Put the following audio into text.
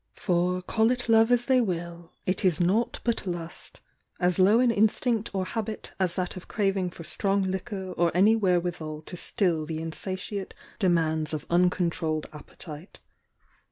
For call it Love as they will, it is nau^t but Lust, as low an instinct or habit as that of craving for strong liquor or any wherewithall to still tne insatiate de mands of uncontrolled appetite.